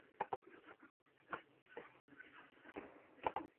莱森是瑞士联邦西部法语区的沃州下设的一个镇。